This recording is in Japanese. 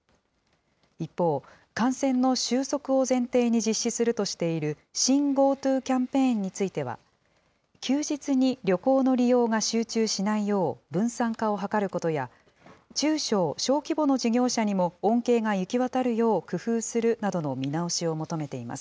一方、感染の収束を前提に実施するとしている、新・ＧｏＴｏキャンペーンについては、休日に旅行の利用が集中しないよう、分散化を図ることや、中小・小規模の事業者にも、恩恵が行き渡るよう工夫するなどの見直しを求めています。